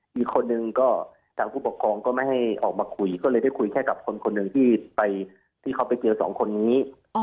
อีกคนนึงก็ทางผู้ปกครองก็ไม่ให้ออกมาคุยก็เลยได้คุยแค่กับคนหนึ่งที่เขาไปเจอสองคนนี้